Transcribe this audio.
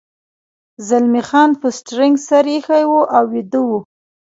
زلمی خان پر سټرینګ سر اېښی و او ویده و.